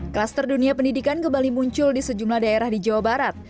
klaster dunia pendidikan kembali muncul di sejumlah daerah di jawa barat